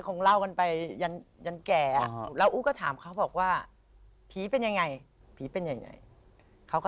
ก็น่ากลัวมาก